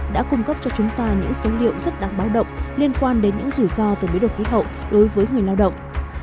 đã cung cấp cho chúng ta những số liệu rất đáng báo động liên quan đến những rủi ro từ biến đổi khí hậu đối với người lao động